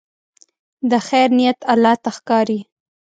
د خیر نیت الله ته ښکاري.